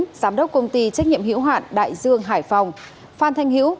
giám đốc công ty trách nhiệm hiểu hạn đại dương hải phòng phan thanh hữu